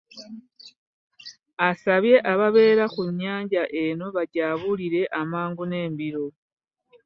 Asabye ababeera ku nnyanja eno bagyabulire amangu n'embiro.